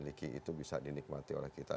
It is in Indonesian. kita miliki itu bisa dinikmati oleh kita